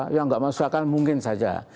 yang nggak masuk akal mungkin saja